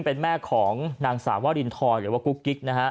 เป็นแม่ของนางสาวอินทรหรือกุ๊กกิ๊ก